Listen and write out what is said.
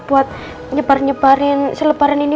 buat nyebar nyebarin seleparan ini